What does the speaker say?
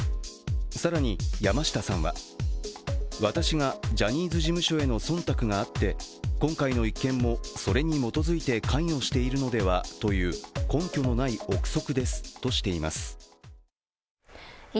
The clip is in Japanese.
更に山下さんは、私がジャニーズ事務所へのそんたくがあって今回の１件もそれに基づいて関与しているのではという根拠のない臆測ですとしています。